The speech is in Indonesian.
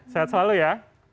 sehat selalu ya